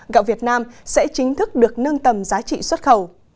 gạo việt nam sẽ chính thức được nâng tầm giá trị xuất khẩu